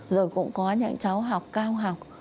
rồi cũng có những cháu học cao học